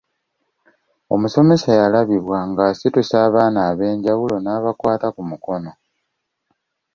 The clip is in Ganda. Omusomesa yalabibwa ng’asitusa abaana ab’enjawulo n’abakwata ku mukono.